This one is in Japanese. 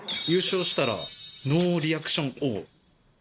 優勝したら、ノーリアクション王。